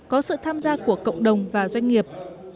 có sự tham gia của cộng đồng và doanh nghiệp